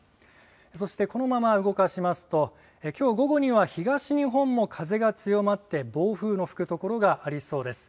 そして、このまま動かしますと、きょう午後には東日本も風が強まって暴風の吹くところがありそうです。